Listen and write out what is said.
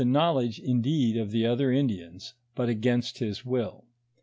187 knowledge, indeed, of the other Indians, but against his will.